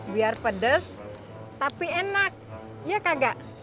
biar pedes tapi enak ya kagak